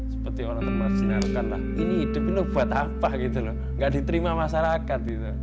seperti orang teman teman sinar ini hidup ini buat apa gitu loh gak diterima masyarakat